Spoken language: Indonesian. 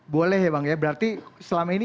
boleh ya bang ya berarti selama ini